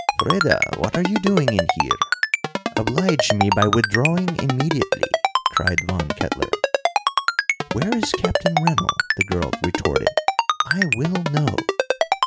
"Freda, what are you doing in here? Oblige me by withdrawing immediately!" cried Von Kettler. "Where is Captain Rennell?" the girl retorted. "I will know!"